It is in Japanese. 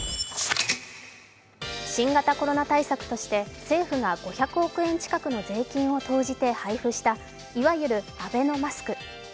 新型コロナ対策として政府が５００億円近くの税金を投じて配布したいわゆるアベノマスク。